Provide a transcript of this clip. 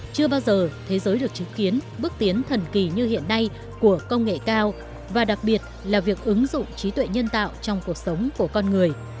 chưa bao giờ thế giới được chứng kiến bước tiến thần kỳ như hiện nay của công nghệ cao và đặc biệt là việc ứng dụng trí tuệ nhân tạo trong cuộc sống của con người